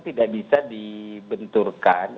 tidak bisa dibenturkan